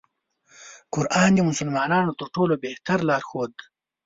قرآن د مسلمانانو تر ټولو بهتر لار ښود دی.